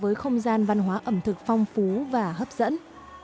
với không gian văn hóa ẩm thực phong phú và hấp dẫn